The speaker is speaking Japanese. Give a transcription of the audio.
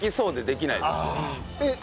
えっ？